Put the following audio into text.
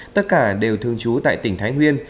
tất cả đều thường trú tại tỉnh thái nguyên